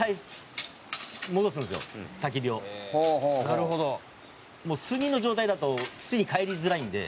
「なるほど」「炭の状態だと土に還りづらいんで」